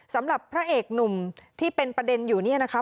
สำหรับพระเอกหนุ่มที่เป็นประเด็นอยู่เนี่ยนะคะ